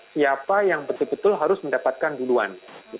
siapa yang betul betul harus mendapatkan duluan